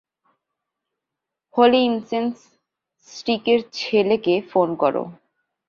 Holi incense স্টিকের ছেলেকে phone কর।